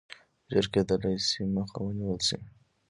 ژر کېدلای شي مخه ونیوله شي.